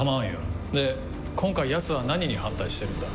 で今回ヤツは何に反対してるんだ？